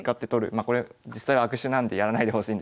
まあこれ実際は悪手なんでやらないでほしいんですけど。